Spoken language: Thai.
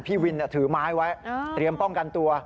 พี่วินถือไม้ไว้เตรียมป้องกันตัว